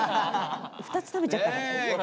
２つ食べちゃったからね。